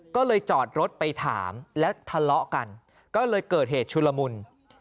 ก็เลยจอดรถไปถามแล้วทะเลาะกันก็เลยเกิดเหตุชุลมุน